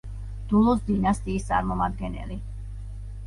დულოს დინასტიის წარმომადგენელი.